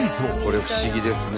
これ不思議ですね。